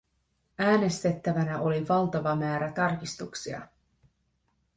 Äänestettävänä oli valtava määrä tarkistuksia.